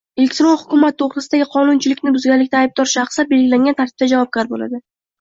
Elektron hukumat to‘g‘risidagi qonunchilikni buzganlikda aybdor shaxslar belgilangan tartibda javobgar bo‘ladi.